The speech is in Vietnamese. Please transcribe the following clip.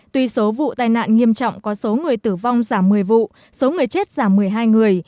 tuy số vụ tai nạn nghiêm trọng có số người tử vong giảm một mươi vụ số người chết giảm một mươi hai người